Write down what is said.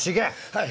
はい。